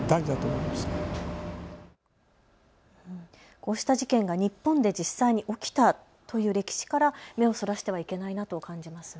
こうした事件が日本で実際に起きたという歴史から目をそらしてはいけないなと感じますね。